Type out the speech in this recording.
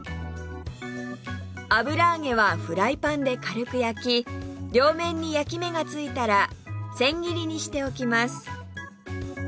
油揚げはフライパンで軽く焼き両面に焼き目がついたらせん切りにしておきます